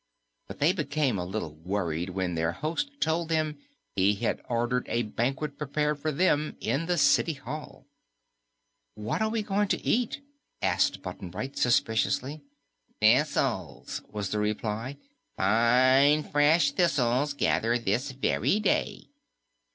But they became a little worried when their host told them he had ordered a banquet prepared for them in the City Hall. "What are we going to eat?" asked Button Bright suspiciously. "Thistles," was the reply. "Fine, fresh thistles, gathered this very day."